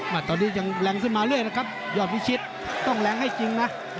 มาตอนนี้ยังแรงขึ้นมาเรื่อยนะครับยอดวิชิตต้องแรงให้จริงนะ